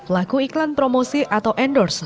laku iklan promosi atau endorse